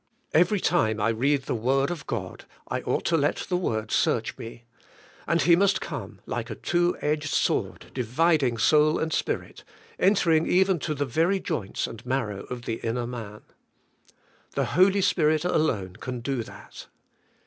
Ever}^ time I read the word of God I ought to let the word search me, and He must come like a two edged sword dividing soul and Spirit, entering even to the very joints and marrow of the inner man. The Holy Spirit alone can do that.